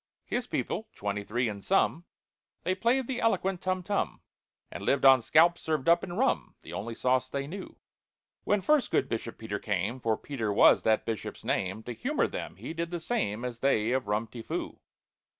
His people—twenty three in sum— They played the eloquent tum tum, And lived on scalps served up, in rum— The only sauce they knew. When first good BISHOP PETER came (For PETER was that Bishop's name), To humour them, he did the same As they of Rum ti Foo.